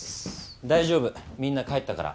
大丈夫みんな帰ったから。